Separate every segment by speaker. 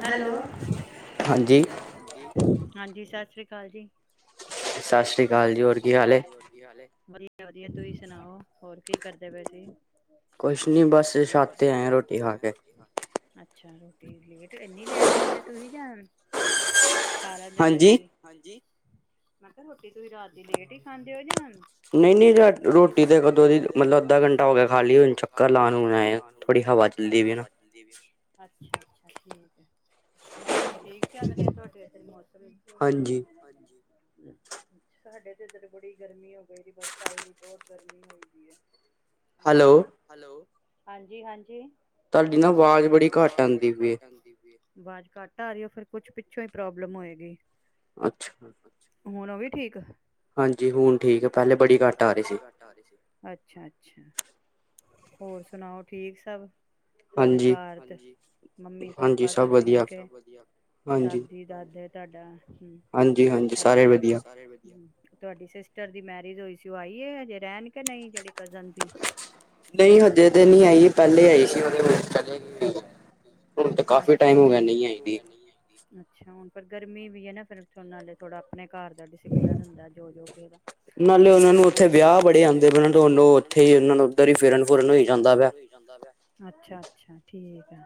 Speaker 1: Hello, ਹਾਂਜੀ, ਹਾਂਜੀ ਸਤਿ ਸ੍ਰੀ ਕ ਅਕਾਲ ਜੀ। ਸਤ ਸ੍ਰੀ ਅਕਾਲ ਜੀ ਹੋਰ ਕੀ ਹਾਲ ਐ, ਵਧੀਐ ਵਧੀਐ ਹੋਰ ਤੁਸੀ ਸੁਣਾਓ ਹੋਰ ਕੀ ਕਰਦੇ ਪਏ ਸੀ, ਕੁਛ ਨ੍ਹੀਂ ਬਸ ਛਤ ਤੇ ਆਇਆਂ ਰੋਟੀ ਖਾ ਕੇ। ਅੱਛਾ। ਠੀਕ ਠੀਕ। ਤੇ ਇੰਨੀ ਲੇਟ ਖਾਂਦੇ ਤੁੂਸੀਂ ਜਾਂ ਖਾ ਲੈਂਦੇ ਜਲਦੀ, ਹਾਂਜੀ। ਮੈਂ ਕਿਹਾ ਰੋਟੀ ਤੁਸੀਂ ਰਾਤ ਦੀ ਲੇਟ ਈ ਖਾਂਦੇ ਔ ਜਾਂ? ਨ੍ਹੀਂ ਨ੍ਹੀਂ ਰੋਟੀ ਤੇ ਕਦੋ ਦੀ ਮਤਲਬ ਅੱਧਾ ਘੰਟਾ ਹੋ ਗਿਆ ਖਾਲੀ, ਚਕੱਰ ਲਾਣ ਹੁਣ ਆਏ ਆਂ, ਥੋੜੀ ਹਵਾ ਚਲਦੀ ਪਈ। ਅੱਛਾ। ਮੌਸਮ ਠੀਕ ਚੱਲ ਰਿਹਾ ਤੁਹਾਡੇ ਇਧਰ ਮੌਸਮ। ਹਾਂਜੀ। ਸਾਡੇ ਤੇ ਇੱਧਰ ਬੜੀ ਗਰਮੀ ਹੋ ਗਈ ਸੀ ਬਸ ਕੱਲ ਦੀ ਬਹੁਤ ਗਰਮੀ ਹੋਈ ਪਈ ਐ। ਹੈਲੋ ਹਾਂਜੀ ਹਾਂਜੀ।
Speaker 2: ਤੁਆਡੀ ਨਾ ਆਵਾਜ਼ ਬੜੀ ਘੱਟ ਆਂਦੀ ਪਈ ਐ
Speaker 1: ਆਵਾਜ਼ ਘੱਟ ਆ ਰਹੀ ਐ, ਫੇਰ ਕੁਛ ਪਿੱਛੋਂ ਈ ਪ੍ਰੋਬਲਮ ਹੋਏਗੀ।
Speaker 2: ਅੱਛਾ।
Speaker 1: ਹੁਣ ਹੋ ਗਈ ਠੀਕ? ਹਾਂਜੀ, ਹੁਣ ਠੀਕ। ਪਹਿਲੇ ਬੜੀ ਘੱਟ ਆ ਰਹੀ ਸੀ। ਅਛਾ ਅੱਛਾ। ਹੋਰ ਸੁਣਾਓ ਠੀਕ ਸਭ। ਤੁਹਾਡੇ ਘਰ ਤੇ ਮੰਮੀ ਪਾ ਸਭ ਠੀਕ ਐ, ਦਾਦੀ ਦਾਦੇ ਤਾਡਾ ਹਾਂਜੀ ਹਾਂਜੀ ਸਾਰੇ ਵਧੀਆ। ਤੁਆਡੀ ਸਿਸਟਰ ਦੀ ਮੈਰਿਜ ਹੋਈ ਸੀ, ਉਹ ਆਈਏ ਹਜੇ ਰਹਿਣ ਕੇ ਨ੍ਹੀਂ ਜਿਹੜੀ ਕਜ਼ਨ ਸੀ। ਨ੍ਹੀਂ ਹਜੇ ਤੇ ਨੀਂ ਆਈ, ਪਹਿਲੇ ਆਈ ਸੀ। ਅੱਛਾ-ਅੱਛਾ, ਕਾਫੀ ਟਾਈਮ ਹੋ ਗਿਆ ਨਹੀਂ ਆਈ। ਅੱਛਾ, ਹੁਣ ਪਰ ਗਰਮੀ ਵੀ ਹੈ ਨਾ ਫਿਰ ਨਾਲੇ ਥੋੜਾ ਆਪਣੇ ਘਰ ਦਾ ਡਸਿਪਲਨ ਹੁੰਦਾ ਜੋ-ਜੋ ਫਿਰ, ਨਾਲ਼ੇ ਓਹਨਾ ਨੂ ਉੱਥੇ ਵਿਆਹ ਬੜੇ ਆਉਂਦੇ ਪਾਏ ਦੋਨੋਂ ਉੱਥੇ ਹੀ ਆ ੳਦਰ ਹੀ ਫ਼ਿਰਨ-ਫੁਰਣ ਹੋਈ ਜਾਂਦਾ। ਅੱਛਾ-ਅੱਛਾ ਠਿਕਏ।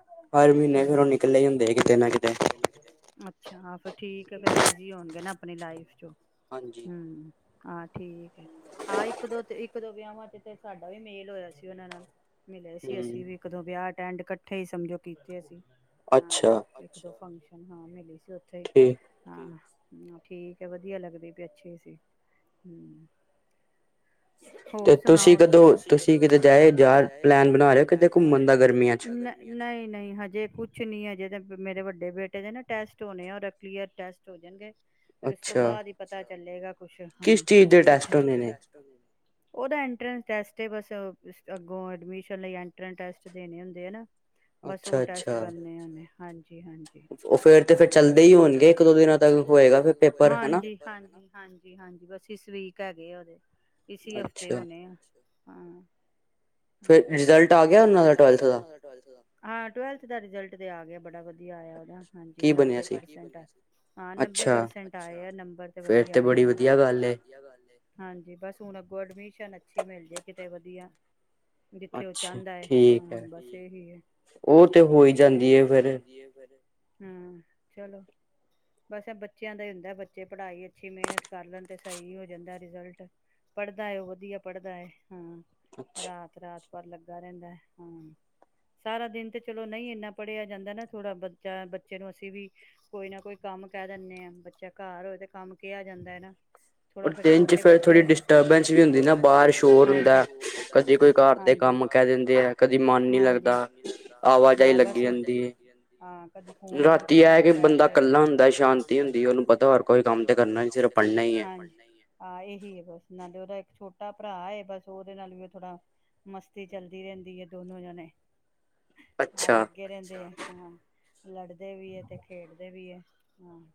Speaker 1: ਹਰ ਮਹਿਨੇ ਨਿਕਲੇ ਹੁੰਦੇ ਕਿਥੇ ਨਾ ਕਿਥੇ ਅੱਛਾ, ਹਾਂ ਫਿਰ ਠੀਕ ਆ ਫਿਰ ਬਿਜੀ ਅਗੇ ਨਾ ਆਪਣੀ ਲਾਈਫ ਚੋ ਹੂੰ। ਠੀਕ ਐ ਹਾਂ ਇੱਕ-ਦੋ ਤੇ ਇੱਕ-ਦੋ ਵਿਆਹਾਂ ਚ ਤੇ ਸਾਡਾ ਵੀ ਮੇਲ ਹੋਇਆ ਸੀ ਉਹਨਾ ਨਾਲ। ਮਿਲੇ ਸੀ ਅਸੀਂ ਵੀ ਇੱਕ-ਦੋਂ ਵਿਆਹ ਅਟੈਂਡ ਇਕੱਠੇ ਹੀ ਸਮਝੋ ਕੀਤੇ ਅਸੀ। ਹਾਂ, ਇੱਕ ਫੰਕ ਹਾਂ, ਮਿਲੀ ਸੀ। ਉੱਥੇ ਈ, ਹਾਂ। ਹੂੰ, ਠੀਕ ਐ ਵਧੀਆ ਲੱਗਦੇ ਪਏ ਅੱਛੇ ਸੀ ਹੂੰ। ਹੋਰ ਸੁਣਾਓ? ਤੁਸੀ ਕਦੋ ਕਿਦੇ ਜਾ ਜਾਨ ਦਾ ਪਲਾਨ ਬਨਾ ਰਹੇ ਹੋ ਕਿਦਰ ਘੁੰਮਣ ਦਾ, ਨਹੀਂ ਨਹੀਂ। ਨਈ ਅਜੇ ਤਾਂ ਮੇਰੇ ਵੱਡੇ ਬੇਟੇ ਦੇ ਨਾ ਟੈਸਟ ਹੋਣੇ ਆ ਔਰ ਕਲੀਅਰ ਟੈਸਟ ਹੋ ਜਾਣਗੇ। ਫਿਰ ਉਸ ਤੋਂ ਬਾਅਦ ਹੀ ਪਤਾ ਚਲੇਗਾ, ਕੁੱਛ ਹਾਂ ਉਦਾ ਐਨਟਰੇਂਟ ਟੈਸਟ ਹੈ ਬਸ ਅੱਗੋਂ ਏਡਮਿਸ਼ਨ ਲਈ ਐਟਰੇਂਟ ਟੈਸਟ ਦੇਣੇ ਹੁੰਦੇ ਆ ਨਾ
Speaker 2: ਅੱਛਾ-ਅੱਛਾ।
Speaker 1: ੳਹਦੇ ਬਾਦ ਮੈ ਹਾਂਜੀ। ਹਾਂਜੀ-ਹਾਂਜੀ, ਹਾਂ ਫੇਰ ਤੇ ਫੇਰ ਤਾਂ ਚਲਦੇ ਹੀ ਹੋਣਗੇ ਇਕ ਦੋ ਦਿਨਾਂ ਤਕ ਹਾਂਜੀ-ਹਾਂਜੀ-ਹਾਂਜੀ-ਹਾਂਜੀ ਬਸ ਇਸ ਵੀਕ ਹੈਗੇ ਆ ਉਹਦੇ। ਇਸੀ ਹਫ਼ਤੇ ਹੋਣੇ ਆ ਹਾਂ। ਫਿਰ ਰਿਜਲਟ ਆ ਗਿਆ ਓਹਨਾ ਦਾ ਟਵੈਲਥ ਦਾ ਹਾਂ ਟਵੈਲੱ ਹਾ, ਰਿਜ਼ਲਟ ਤੇ ਆ ਗਿਆ ਬੜਾ ਵਧ ਵਧੀਆ ਆਇਆ ਉਦਾ, ਹਾਂਜੀ, ਨੱਬੇ ਪਰਸੈਂਟ ਆ ਹਾਂ ਨੱਬੇ ਪਰਸੈਂਟ ਆਏ ਆ ਨੰਬਰ ਤੇ ਵਧੀਆ ਆਏ ਆ ਹਾਂਜੀ, ਹੁਣ ਬੱਸ ਅੱਗੋ ਏਡਮਿਸ਼ਨ ਅ ਅੱਛੀ ਮਿਲ ਜੇ ਕਿਤੇ ਵਧੀਆ। ਜਿੱਥੇ ਉਹ ਚਾਹੁੰਦਾ ਐ, ਹਾਂ ਬਸ ਇਹੀ ਏ।
Speaker 2: ਉਹ ਤੇ ਹੋਈ ਜਾਂਦੀ ਏ ਫੇਰ।
Speaker 1: ਹੂੰ, ਚਲੋ ਬਸ ਬੱਚਿਆਂ ਦਾ ਹੀ ਹੂਨਦਾ ਬਚੇ ਪੜਾਈ ਅਛੀ ਮੇਹਨਤ ਕਰ ਲੈਣ, ਤੇ ਸਹੀ ਹੋ ਜਾਂਦਾ ਰਿਜਲਟ, ਪੜਦਾ ਹੈ ਵਧੀਆ ਪੜਦਾ ਹੈ। ਹੂੰ ਰਾਤ-ਰਾਤ ਪਰ ਲੱਗਾ ਰਹਿੰਦਾ, ਹਾਂ ਸਾਰਾ ਦਿਨ ਤੇ ਚਲੋ ਨਹੀਂ ਇੰਨਾ ਪੜ੍ਹਿਆ ਜਾਂਦਾ ਨਾ ਥੋੜ੍ਹਾ ਬੱਚਾ ਬੱਚੇ ਨੂੰ ਅਸੀਂ ਵੀ ਕੋਈ ਨਾ ਕੋਈ ਕੰਮ ਕਹਿ ਦਿਨੇ ਆਂ, ਬੱਚਾ ਘਰ ਹੋਵੇ ਤਾਂ ਕੰਮ ਕਿਹਾ ਜਾਂਦਾ ਐ ਨਾ।
Speaker 2: ਔਰ ਦਿਨ ਚ ਥੋੜੀ ਡਿਸਟਰਬੈਂਸ ਵੀ ਹੁੰਦੀ ਆ ਨਾ ਬਾਹਰ ਸ਼ੋਰ ਹੁੰਦਾ, ਕਦੀ ਕੋਈ ਘਰ ਦੇ ਕੰਮ ਕਹਿ ਦਿੰਦੇ ਆ, ਕਦੀ ਮਨ ਨੀ ਲੱਗਦਾ ਆਵਾ
Speaker 1: ਹਾਂ ਬਸ, ਆਵਾਜਾਈ ਲਗੀ ਰੇਂਦੀ ਆ। ਦੇ ਫੋਨ ਖੋਲ ਕੇ ਬੈਠ, ਰਾਤੀ ਇਹ ਕਿ ਬੰਦਾ ਇਕੱਲਾ ਹੁੰਦਾ ਸ਼ਾਂਤੀ ਹੁੰਦੀ ਏ, ਉਹਨੂੰ ਪਤਾ ਹੋਰ ਕੋਈ ਕੰਮ ਤੇ ਕਰਨਾ ਹੀ ਨੀ ਸਿਰਫ ਪੜ੍ਹਨਾ ਹੀ ਹੈ। ਛੋਟਾ ਭਰਾ ਏ ਬਸ ਉਹਦੇ ਨਾਲ ਵੀ ਉਹ ਥੋੜਾ ਮਸਤੀ ਚੱਲਦੀ ਰਹਿੰਦੀ ਹੈ ਦੋਨੋਂ ਜਣੇ ਆ ਲੱਗੇ ਰਹਿੰਦੇ ਆ ਹਾਂ ਲੜਦੇ ਵੀ ਤੇ ਖੇਡਦੇ ਵੀ ਐ। ਹੂੰ,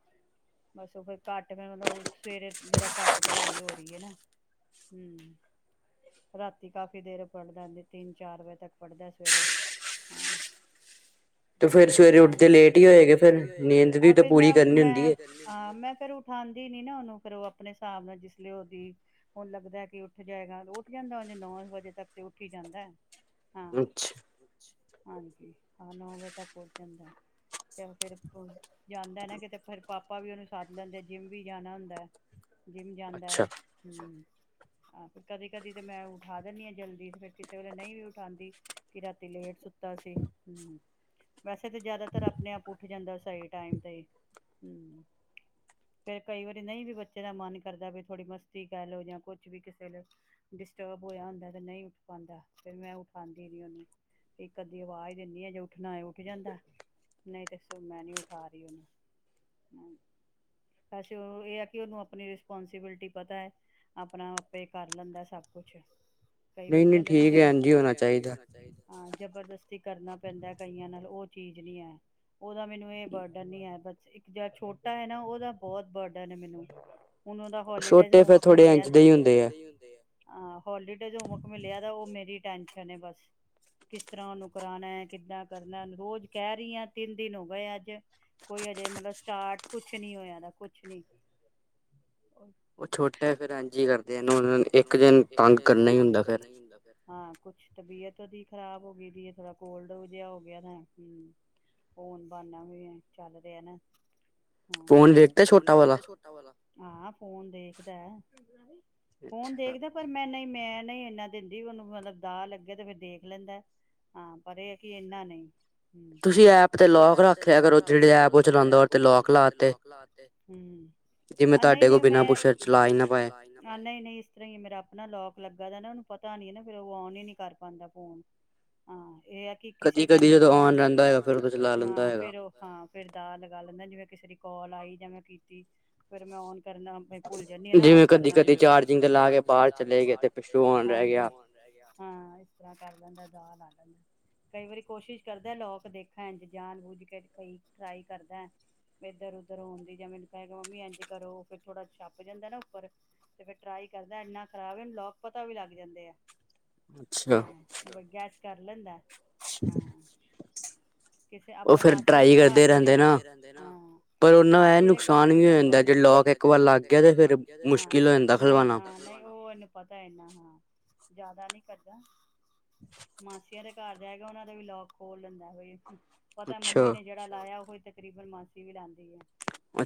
Speaker 1: ਬਸ ਉਹ ਫਿਰ ਘੱਟ ਮੈਂ ਮਤਲਬ ਸਵੇਰੇ ਜਿਹੜਾ ਘੱਟ ਪੜ੍ਹਾਈ ਹੋ ਰਹੀ ਹੈ ਨਾ ਰਾਤੀ ਕਾਫੀ ਦੇਰ ਪੜ੍ਹਦਾ ਤਿੰਨ ਚਾਰ ਵਜੇ ਤੱਕ ਪੜ੍ਹਦਾ ਸਵੇਰੇ ਹੂੰ ਫਿਰ ਸਵੇਰੇ ਉਠਦੇ ਲੇਟ ਹੀ ਹੋਏਗੇ ਮੈਂ ਮੈਂ ਫੇਰ ਉਠਾ ਦੀ ਨੀ ਨਾ ਉਹਨੂੰ ਫਿਰ ਉਹ ਆਪਣੇ ਹਿਸਾਬ ਨਾਲ ਜਿਸ ਲਈ ਉਹਦੀ ਹੁਣ ਲੱਗਦਾ ਕਿ ਉੱਠ ਜਾਏਗਾ ਉੱਠ ਜਾਂਦਾ, ਉਹ ਨੌ ਵਜੇ ਤੱਕ ਤੇ ਉੱਠੀ ਹੀ ਜਾਂਦਾ।
Speaker 2: ਅੱਛਾ,
Speaker 1: [unintelligible] ਹਾਂਜੀ ਹਾਂ ਨੌ ਵਜੇ ਤੱਕ ਖੁੱਲ ਜਾਂਦਾ ਚੱਲ ਫਿਰ ਜਾਂਦਾ ਨਾ ਕਿਤੇ ਫਿਰ ਪਾਪਾ ਵੀ ਉਹਨੂੰ ਸੱਦ ਲੈਂਦੇ ਆ ਜਿੰਮ ਵੀ ਜਾਣਾ ਹੁੰਦਾ ਹੈ। ਜਿੰਮ ਜਾਂਦਾ ਐ, ਹੂੰ ਅੱਛਾ ਹਾਂ ਫਿਰ ਕਦੀ- ਕਦੀ ਤੇ ਮੈਂ ਉਠਾ ਦਿੰਦੀ ਆਂ ਜਲਦੀ ਤੇ ਫੇਰ ਕਿਸੇ ਵੇਲੇ ਨਹੀਂ ਵੀ ਉਠਾਂਦੀ, ਕਿ ਰਾਤੀ ਲੇਟ ਸੁੱ ਕੀਤਾ ਸੀ, ਹੂੰ ਵੈਸੇ ਤਾਂ ਜ਼ਿਆਦਾਤਰ ਆਪਣੇ ਆਪ ਉੱਠ ਜਾਂਦਾ ਸੀ। ਸਹੀ ਟਾਈਮ ਤੇ ਹੂੰ ਫਿਰ ਕਈ ਵਾਰੀ ਨਹੀਂ ਵੀ ਬੱਚੇ ਦਾ ਮਨ ਕਰਦਾ ਵੀ ਥੋੜ੍ਹੀ ਮਸਤੀ ਕਹਿ ਲਓ ਜਾਂ ਕੁਛ ਵੀ ਕਿਸੇ ਡਿਸਟਰਬ ਹੋਇਆ ਹੁੰਦਾ ਤੇ ਨਹੀਂ ਉਠ ਪਾਉਂਦਾ, ਫਿਰ ਮੈਂ ਉਠਾਂਦੀ ਨਈ ਉਹਨੂੰ ਇੱਕ ਅੱਧੀ ਆਵਾਜ਼ ਦਿੰਦੀ ਆਂ ਜੇ ਉੱਠਣਾ ਹੈ ਉੱਠ ਜਾਂਦਾ ਨਹੀਂ ਤਾਂ ਸ ਮੈਂ ਨਹੀਂ ਉਠਾ ਰਹੀ ਵੈਸੇ ਉਹਨੂੰ ਇਹ ਆ ਕਿ ਉਹਨੂੰ ਆਪਣੀ ਰਿਸਪੋਂਸੀਬਿਲਿਟੀ ਪਤਾ ਹੈ, ਆਪਣਾ ਆਪੇ ਕਰ ਲੈਂਦਾ ਸਭ ਕੁਛ ਕਈ ਬੱਚਿਆਂ ਹ ਦਾ ਨਾ ਜਬ ਠੀਕ ਐ ਇੰਝ ਈ ਹੋਣਾ ਚਾਹੀਦਾ ਹਾਂ। ਜਬਰਦਸਤੀ ਕਰਨਾ ਪੈਂਦਾ ਕਈਆਂ ਨਾਲ ਉਹ ਚੀਜ਼ ਨਈ ਹੈ ਉਹਦਾ ਮੈਨੂੰ ਇਹ ਬਰਡਨ ਨਹੀਂ ਹੈ, ਬਸ ਇੱਕ ਜਿਹ ਛੋਟਾ ਹੈ ਨਾ ਉਹਦਾ ਬਹੁਤ ਬਰਡਨ ਹੈ ਮੈਨੂੰ ਹੁਣ ਉਹਦਾ ਹੋਲੀਡੇ ਹੋਮਵਰਕ ਮਿਲਿਆ, ਛੋਟੇ ਤਾਂ ਇੰਝ ਦੇ ਹੀ ਹੁੰਦੇ ਆ। ਹ ਹੋਲੀਡੇ ਹੋਮਵਰਕ ਮਿਲਿਆ ਉਹ ਮੇਰੀ ਟੈਸ਼ਨ ਐ ਬਸ ਕਿਸ ਤਰ੍ਹਾਂ ਉਹਨੂੰ ਕਰਾਣਾ ਹੈ ਕਿੱਦਾਂ ਕਰਨਾ ਐ ਰੋਜ਼ ਕਹਿ ਰਹੀ ਆਂ ਤਿੰਨ ਦਿਨ ਹੋ ਗਏ, ਅੱਜ ਕੋਈ ਹਜੇ ਮਤਲਬ ਸਟਾਰਟ ਕੁਛ ਨੀ ਹੋਇਆ ਕੁਛ ਨੀ
Speaker 2: ਉਹ ਛੋਟਾ ਫਿਰ ਇੰਝ ਹੀ ਕਰਦੇ ਐ, ਇੱਕ ਦਿਨ ਤੰਗ ਕਰਨਾ ਹੀ ਹੁੰਦਾ ਫਿਰ
Speaker 1: ਹਾਂ, ਕੁਛ ਤਬੀਅਤ ਉਹਦੀ ਖ਼ਰਾਬ ਹੋ ਗਈ ਵੀ ਥੋੜਾ ਕੋਲਡ ਜਿਹਾ ਹੋ ਗਿਆ ਤਾਂ ਹੂੰ ਬਾਨਾ ਵੀ ਚੱਲ ਰਿਹਾ ਨਾ ਫੋਨ ਦੇਖਦਾ ਛੋਟਾ ਵਾਲਾ ਫੋਨ ਦੇਖਦਾ ਪਰ ਮੈਂ ਨਹੀਂ ਮੈਂ ਨਹੀਂ ਇੰਨਾ ਦਿੰਦੀ ਉਹਨੂੰ ਮਤਲਬ ਦਾ ਲੱਗੇ ਤੇ ਫੇਰ ਦੇਖ ਖ ਲੈਂਦਾ ਹਾਂ ਪਰ ਇਹ ਹੈ ਕਿ ਇੰਨਾ ਨਹੀਂ ਹੂੰ, ਤੁਸੀਂ ਐਪ ਤੇ ਲੌਕ ਰੱਖਿਆ ਕਰੋ ਜਿਹੜੇ ਐਪ ਓਹ ਚਲਾਂਦਾ ਲੌਕ ਲਾ ਕੇ ਹੂੰ ਨਈ- ਨਈ ਇਸ ਤਰ੍ਹਾਂ ਮੇਰਾ ਆਪਣਾ ਲੌਕ ਲੱਗਾ ਓਨੂੰ ਪਤਾ ਨੀ ਐ ਫੇਰ ਉਹ ਔਨ ਹੀ ਨੀ ਕਰ ਪਾਂਦਾ। ਹੂੰ, ਹਾਂ ਇਹ ਆ ਕਿ ਕਿਸੇ ਟਾਈਮ ਮੇਰੇ ਕੋਲ ਫਿਰ ਕਦੇ ਕਦੇ ਔਨ ਰਹਿੰਦਾ, ਫੇਰ ਉਹ ਹਾਂ ਫੇਰ ਦਾਅ ਲਗਾ ਲੈਂਦਾ ਜਿਵੇਂ ਕਿਸੇ ਦੀ ਕਾਲ ਆਈ ਜਾਂ ਮੈਂ ਕੀਤੀ ਫਿਰ ਮੈਂ ਔਨ ਕਰਕੇ ਕਰਨਾ ਮੈ ਭੁੱਲ ਜਾਨੀ ਆ ਨਾ ਔਰ ਕਰਨਾ [unintelligible] ਹਾਂਜੀ ਹਾ, ਕਈ ਵਾਰੀ ਕੋਸ਼ਿਸ਼ ਕਰਦਾ ਲੋਕ ਦੇਖਾ ਇੰਝ ਜਾਣ ਬੂਝ ਕੇ ਕਈ ਟਰਾਈ ਕਰਦਾ ਇਧਰ ਓਧਰੋ ਹੋਣ ਦੀ ਜਾਂ ਮੈਨੂੰ ਕਹਿ ਮੰਮੀ ਇੰਜ ਕਰੋ ਫੇਰ ਥੋੜਾ ਥਕ ਜਾਂਦਾ ਨਾ ਉੱਪਰੋ ਤੇ ਫੇਰ ਟਰਾਈ ਕਰਦਾ ਇੰਨਾ ਖ਼ਰਾਬ ਐਨੂੰ ਲੋਕ ਪਤਾ ਵੀ ਲੱਗ ਜਾਂਦੇ ਆ।
Speaker 2: ਅੱਛਾ,
Speaker 1: ਕਰ ਲੈਂਦਾ। ਕਿਸੇ ਆਪਣੇ ਮਾਸੀਆਂ ਦੇ ਘਰ ਵੀਹ ਮਾਸੀ ਘਰ ਜਾਦੇ ਰਹਿੰਦੇ ਨਾ ਮਾਸੀ ਦੇ ਘਰ ਵੀ ਜਾਦੇ [unintelligible] ਨਹੀਂ ਉਹ ਉਹਨੂੰ ਪਤਾ ਹੈਗਾ ਨਾ। ਜ਼ਿਆਦਾ ਨਹੀਂ ਕਰਨਾ। [inaudible] ਮਾਸੀਆਂ ਦੇ। ਘਰ ਰਹਿ ਕੇ ਵੀ ਉਹਨਾਂ ਦੇ ਵੀ ਲੋਕ ਖੋਲ ਲੈਂਦਾ ਐ। ਪਤਾ ਮੰਮੀ ਨੇ ਜਿਹੜਾ ਲਾਇਆ ਉਹੀ, ਤਕਰੀਬਨ ਮਾਸੀ ਵੀ ਲਾ ਸਹੀ ਐ,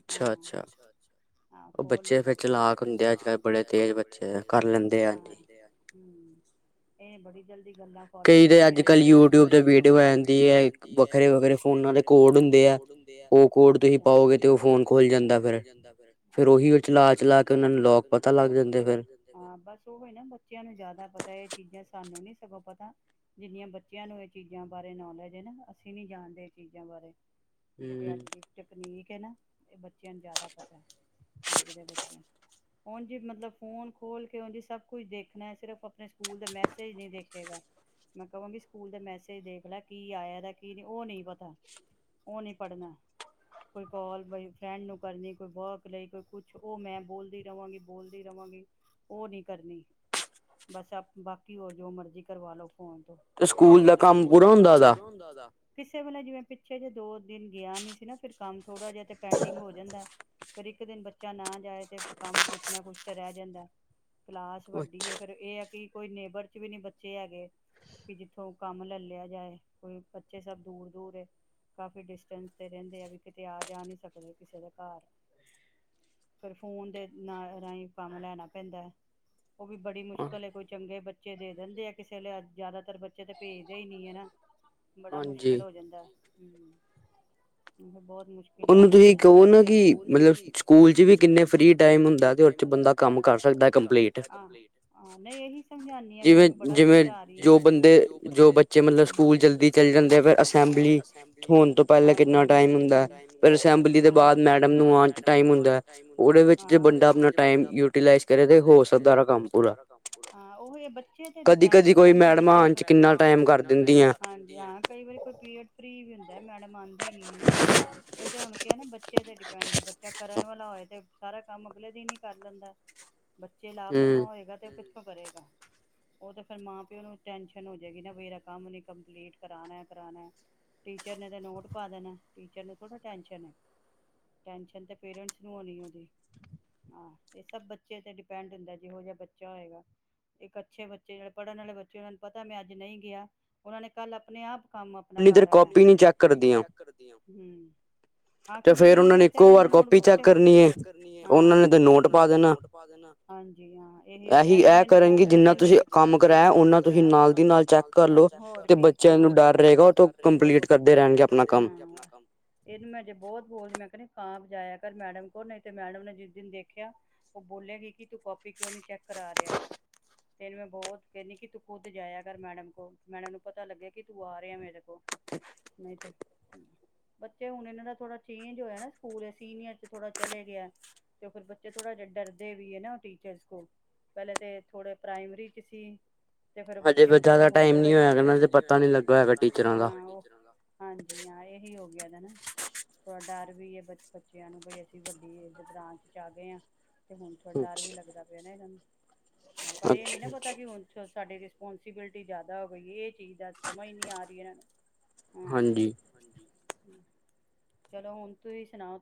Speaker 1: ਹਾਂ ਅੱਛਾ-ਅੱਛਾ, ਖੋਲ ਲੈਂਦਾ, ਫਿਰ ਬੱਚੇ ਫਿਰ ਚਲਾਕ ਹੁੰਦੇ ਅੱਜ ਕਲ ਬੜੇ ਤੇਜ਼ ਬੱਚੇ ਕਰ ਲੈਂਦੇ ਆ, ਹੁੰ, ਬੜੀ ਚੱਲਦੀ। ਗੱਲਾਂ ਫੋਲੋ ਕਰਦੇ ਰਹਿਦੇ ਬੱਚੇ, ਕਈ ਤੇ ਅੱਜ ਕੱਲ ਯੂਟਿਊਬ ਤੇ ਵੀਡੀਓ ਆ ਜਾਂਦੀ, ਵੱਖਰੇ-ਵੱਖਰੇ ਫੋਨਾਂ ਦੇ ਕੋਡ ਹੁੰਦੇ ਐ, ਹਾਂਜੀ ਉਹ ਕੋਡ ਤੁਸੀ ਪਾਓਗੇ ਤਾਂ ਉਹ ਫੋਨ ਖੁੱਲ ਜਾਂਦਾ, ਫਿਰ ਅੱਛਾ, ਫਿਰ ਉਹੀ ਉਹ ਚਲਾ-ਚਲਾ ਕੇ ਉਹਨਾਂ ਨੂੰ ਲੋਕ ਪਤਾ ਲੱਗ ਜਾਂਦਾ, ਹਾਂ, ਬਸ ਉਹ ਨਾ ਬੱਚਿਆਂ ਨੂੰ ਜਿਆਦਾ ਪਤਾ ਇਹ ਸਾਨੂੰ ਨਹੀਂ ਸਗੋਂ ਪਤਾ ਜਿੰਨੀ ਬੱਚਿਆਂ ਨੂੰ ਇਹ ਚੀਜ਼ਾਂ ਬਾਰੇ ਨੌਲੇਜ ਹੈ ਨਾ, ਅਸੀਂ ਨਹੀਂ ਜਾਣਦੇ ਇਹ ਚੀਜ਼ਾਂ ਬਾਰੇ, ਜਿਹੜੀ ਅੱਜ ਦੀ ਟਿੱਪਣੀ, ਇਹ ਬੱਚਿਆਂ ਨੂੰ ਜ਼ਿਆਦਾ ਪਤਾ, ਅੱਜ ਦੇ ਬੱਚਿਆਂ ਨੂੰ ਹੁਣ ਜੇ ਮਤਲਬ ਫੋਨ ਖੋਲ ਕੇ ਉੰਝ ਜੀ ਸਭ ਕੁਛ ਦੇਖਣਾ ਸਿਰਫ ਆਪਣੇ ਸਕੂਲ ਦਾ ਮੈਸੇਜ ਨਹੀਂ ਦੇਖੇਗਾ, ਮੈਂ ਕਹਾਂਗੀ ਸਕੂਲ ਦੇ ਮੈਸੇਜ ਦੇਖ ਲੈ ਕੀ ਆਇਆ ਕੀ ਨਹੀਂ ਆਇਆ, ਉਹ ਨਹੀਂ ਪਤਾ ਉਹ ਨਹੀਂ ਪੜ੍ਹਨਾ ਕੋਈ ਕਾਲ ਬਈ ਫਰੈਂਡ ਨੂੰ ਕਰਨੀ, ਕੋਈ ਵਰਕ ਲਈ ਕੋਈ ਕੁਛ ਉਹ ਮੈਂ ਬੋਲਦੀ ਰਹਾਂਗੀ, ਬੋਲਦੀ ਰਹਾਂਗੀ, ਉਹ ਨਹੀਂ ਕਰਨੀ ਬਸ ਆਪ ਬਾਕੀ ਹੋਰ ਜੋ ਮਰਜ਼ੀ ਕਰਵਾ ਲਓ।
Speaker 2: ਤੇ ਸਕੂਲ ਦਾ ਕੰਮ ਪੂਰਾ ਹੁੰਦਾ ਉਹਦਾ।
Speaker 1: ਕਿਸੇ ਵੇਲੇ ਜਿਵੇਂ ਪਿੱਛੇ ਜੇ ਦੋ ਦਿਨ ਗਿਆ ਨੀ ਸੀ, ਨਾ ਫਿਰ ਕੰਮ ਥੋੜਾ ਜਿਹਾ ਤੇ ਪੈਂਡਿੰਗ ਹੋ ਜਾਂਦਾ। ਪਰ ਇੱਕ ਦਿਨ ਬੱਚਾ ਨਾ ਜਾਏ ਤੇ ਕੰਮ ਕੁਛ ਨਾ ਕੁਛ ਤਾਂ ਰਹਿ ਜਾਂਦਾ। ਕਲਾਸ ਵੱਡੀ ਹੈ, ਫਿਰ ਇਹ ਹੈ ਕਿ ਕੋਈ ਨੇਬਰ ਚ ਵੀ ਨਹੀਂ ਬੱਚੇ ਹੈਗੇ ਕਿ ਜਿੱਥੋਂ ਕੰਮ ਲੈ ਲਿਆ ਜਾਏ, ਕੋਈ ਬੱਚੇ ਸਭ ਦੂਰ-ਦੂਰ ਕਾਫੀ ਡਿਸਟੈਂਸ ਤੇ ਰਹਿੰਦੇ ਆ, ਕਿਤੇ ਆ ਜਾ ਨਹੀਂ ਸਕਦੇ, ਕਿਸੇ ਦੇ ਘਰ ਫ ਫੋਨ ਦੇ ਨਾ ਰਾਹੀਂ ਕੰਮ ਲੈਣਾ ਪੈਂਦਾ ਹੈ, ਉਹ ਵੀ ਬੜੀ ਮੁਸ਼ਕਿਲ ਕੋਈ ਚੰਗੇ ਬੱਚੇ ਦੇ ਦਿੰਦੇ ਆ ਕਿਸੇ ਵੇਲੇ ਜ਼ਿਆਦਾਤਰ ਬੱਚੇ ਤਾਂ ਭੇਜਦੇ ਹੀ ਨਹੀਂ ਹੈ ਨਾ, ਬੜਾ ਮੁਸ਼ਕਿਲ ਹੋ ਜਾਂਦਾ। ਹੂੰ-ਹੂੰ ਬਹੁਤ, ਮੁਸ਼ਕਿਲ ਹੋ ਜਾਂਦਾ, ਉਹਨੂੰ ਤੁਸੀ ਕਹੋ ਨਾ ਕਿ ਮਤਲਬ ਸਕੂਲ ਚ ਵੀ ਕਿੰਨਾ ਫਰੀ ਟਾਈਮ ਹੁੰਦਾ ਤੇ ਉਹਦੇ ਚ ਬੰਦਾ ਕੰਮ ਕਰ ਸਕਦਾ ਕੰਪਲੀਟ ਆ, ਨਹੀਂ ਇਹੀ ਸਮਝਾਨੀ ਆ ਮੈ ਇਹਨੂੰ ਬੜਾ ਸਮਝਾ ਰਹੀ ਹਾਂ, ਜੋ ਬੰਦੇ ਜੋ ਬੱਚੇ ਮਤਲਬ ਸਕੂਲ ਜਲਦੀ ਚਲ ਜਾਂਦੇ ਆ ਫਿਰ ਅਸੈਂਬਲੀ, ਹਾਂਜੀ, ਹੋਣ ਤੋਂ ਪਹਿਲਾ ਕਿੰਨਾ ਟਾਈਮ,
Speaker 2: ਫਿਰ ਅਸੈਂਬਲੀ ਦੇ ਬਾਅਦ ਮੈਡਮ ਨੂੰ ਆਣ ਚ ਟਾਈਮ ਹੁੰਦਾ, ਉਹਦੇ ਵਿੱਚ ਬੰਦਾ ਆਪਣਾ ਟਾਇਮ ਯੂਟੀਲਾਈ ਕਰੇ ਤੇ ਹੋ ਸਕਦਾ ਉਹਦਾ ਕੰਮ ਪੂਰਾ।
Speaker 1: ਉਹ ਬੱਚੇ ਤੇ ਡਿਪੈਂਡ ਹੈ ਨਾ, ਕਦੇ-ਕਦੇ ਕੋਈ ਮੈਡਮਾਂ ਚ ਆਣ ਚ ਕਿੰਨਾ ਟਾਈਮ ਕਰ ਦਿੰਦੀਆਂ, ਹਾਜੀ ਹਾਂ ਕਈ ਵਾਰੀ ਕੋਈ ਪੀਰੀਅਡ ਫਰੀ ਵੀ ਹੁੰਦਾ। ਜੇ ਮੈਡਮ ਆਦੀ ਨੀ ਹੈ, ਇਹ ਤੇ ਹੁਣ ਕੀ ਨਾ, ਬੱਚੇ ਤੇ ਡਿਪੈਂਡ ਹੈ, ਬੱਚਾ ਕਰਨ ਵਾਲਾ ਹੋਏ ਤੇ ਸਾਰਾ ਕੰਮ ਅਗਲੇ ਦਿਨ ਹੀ ਕਰ ਲੈਂਦਾ। ਬੱਚਾ ਲਾਪਰਵਾਹ ਹੋਏਗਾ ਤੇ ਫਿਰ। ਕਰੇਗਾ। ਉਹ ਤਾਂ ਫਿਰ ਮਾਂ ਪਿਓ ਨੂੰ ਟੈਸ਼ਨ ਹੋ ਜਾਏਗੀ ਨਾ ਵੀ ਇਹਦਾ ਕੰਮ ਨੀ ਕੰਪਲੀਟ। ਕਰਾਉਣਾ- ਕਰਾਉਣਾ। ਟੀਚਰ ਨੇ ਤਾਂ ਨੋਟ ਪਾ ਦੇਣਾ। ਟੀਚਰ ਨੂੰ ਥੋੜ੍ਹਾ ਟੈਂਸ਼ਨ ਹੈ। ਟੈਸ਼ਨ ਤਾਂ ਪੇਰੈਂਟਸ ਨੂੰ ਹੋਣੀ ਉਹਦੀ। ਆਹ ਇਹ ਸਭ ਬੱਚੇ ਤੇ ਡਿਪੈਂਡ ਹੁੰਦਾ ਜਿਹੋ ਜਿਹਾ ਬੱਚਾ ਹੋਏਗਾ। ਇੱਕ ਅੱਛੇ ਬੱਚੇ। ਜਿਹੜੇ ਪੜ੍ਹਨ ਵਾਲੇ ਬੱਚੇ ਉਹਨਾਂ ਨੂੰ ਪਤਾ ਮੈਂ ਅੱਜ ਨਹੀਂ ਗਿਆ। ਉਹਨਾਂ ਨੇ ਕੱਲ੍ਹ ਆਪਣੇ- ਆਪ। ਕੰਮ ਆਪਣਾ ਕਰ ਲੈਣਾ। ਇਧਰ ਕਾਪੀ ਵੀ ਨਹੀ ਚੈੱਕ ਕਰਦੀਆਂ। ਹਮ ਹਾਂ ਕਿੰਨੀ ਕਿੰਨੀ ਦੇਰ ਤੇਟਬੁਕ ਚੈਣਾ ਹ ਹ ੋ ਜਿੰਨਾ ਤੁਸੀ ਕੰਮ ਕਰਾਇਆ ਓਨਾ ਤੁਸੀ ਨਾਲ ਦੀ ਨਾਲ ਚੈਕ ਕਰਲੋ ਤੇ ਬੱਚਿਆਂ ਨੂੰ ਡਰ ਰਹੇਗਾ ਕੰਪਲੀਟ ਕਰਦੇ ਰਹਿਣਗੇ ਤੇ ਬਹੁਤ ਬੋਲ ਮੈਂ ਕਹਿੰ ਕ ਜਾਇਆ ਕਰ ਮੈਡਮ ਕੋਲ ਨਹੀਂ ਤੇ ਮੈਡਮ ਨੇ ਜਿਸ ਦਿਨ ਦੇਖਿਆ ਉਹ ਬੋਲਿਆਗੀ ਕਿ ਤੂੰ ਕਾਪੀ ਕਿਉਂ ਨੀ ਚੈੱਕ ਕਰਾ ਰਿਹਾ ਤਨੂੰ ਮੈਂ ਬਹੁਤ ਕਹਿੰਦੀ ਕਿ ਤੂੰ ਖੁੱਦ ਜਾਇਆ ਕਰ ਮੈਡਮ ਕੋਲ ਮੈਡਮ ਨੂੰ ਪਤਾ ਲੱਗਿਆ ਕਿ ਤੂੰ ਆ ਰਿਹਾ ਮੇਰੇ ਕੋਲ ਨਹੀਂ ਤੇ ਬੱਚੇ ਹੁਣ ਇਹਨਾਂ ਦਾ ਥੋੜਾ ਚੇਂਜ ਹੋਇਆ ਨਾ ਸਕੂਲ ਸੀਨੀਅਰ ਚ ਥੋੜਾ ਚਲੇ ਗਿਆ ਤੇ ਫਿਰ ਬੱਚੇ ਥੋੜਾ ਜਿਹਾ ਡਰਦੇ ਵੀ ਹੈ ਨਾ ਟੀਚਰਸ ਕੋਲ। ਪਹਿਲੇ ਤਾਂ ਥੋੜੇ ਪ੍ਰਾਇਮਰੀ ਸੀ। ਫੇਰ ਬੱਚੇ ਨੂੰ ਥੋੜਾ ਹੋ ਪਤਾ ਲ ਹਾਂਜੀ ਹਾਂ ਇਹੀ ਹੋਗ ਾ ਡਰ ਵੀ ਹੈ ਬ ਬੱਚਿਆਂ ਨੂੰ ਬਈ ਅਸੀਂ ਵੱਡੀ ਬਰਾਚ ਚ ਆ ਗਏ ਹਾਂ। ਤੇ ਹੁਣ ਥੋੜਾ ਡਰ ਵੀ ਲੱਗਦਾ [unintelligible] ਪਰ ਇਹ ਨੀ ਨਾ ਪਤਾ ਕਿ ਹ ਸਾਡੀ ਰਿਸਪੋਂਸੀਬਿਲਿਟੀ ਜ਼ਿਆਦਾ ਹੋ ਗਈ ਹੈ ਇਹ ਚੀਜ਼ ਦਾ ਸਮਾਂ ਹੀ ਨ ਆ ਰਹੀ ਇਹਨਾਂ ਨੂੰ ਹਮ ਚਲੋ ਹੁਣ ਤੁਸੀਂ ਸੁਣਾਓ।